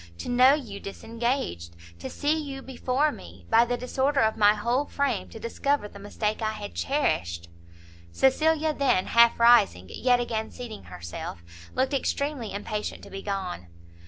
to know you disengaged, to see you before me, by the disorder of my whole frame to discover the mistake I had cherished " Cecilia then, half rising, yet again seating herself, looked extremely impatient to be gone.